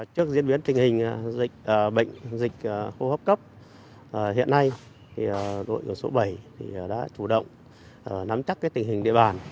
trước diễn biến tình hình dịch bệnh dịch hô hấp cấp hiện nay đội số bảy đã chủ động nắm chắc tình hình địa bàn